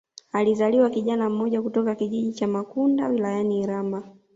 Alizaliwa kijana mmoja kutoka kijiji cha Makunda wilayani Iramba